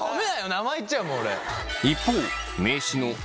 名前いっちゃうもん俺。